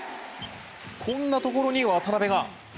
こんなところに渡邊が。